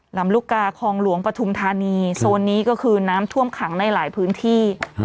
ลำลูกกาคลองหลวงปฐุมธานีโซนนี้ก็คือน้ำท่วมขังในหลายพื้นที่